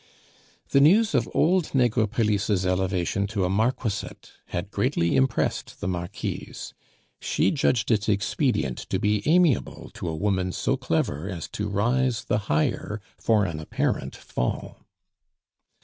The news of old Negrepelisse's elevation to a marquisate had greatly impressed the Marquise; she judged it expedient to be amiable to a woman so clever as to rise the higher for an apparent fall.